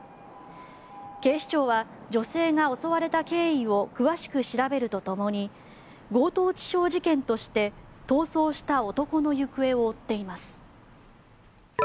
警視庁は女性が襲われた経緯を詳しく調べるとともに強盗致傷事件として逃走した男の行方を追っています。